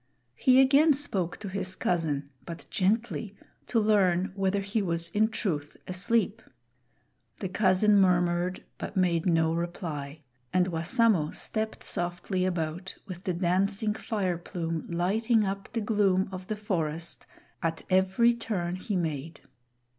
He again spoke to his cousin, but gently, to learn whether he was in truth asleep. The cousin murmured, but made no reply; and Wassamo stepped softly about with the dancing fire plume lighting up the gloom of the forest at every turn he made.